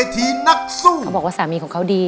ที่สุดของรอยยิ้ม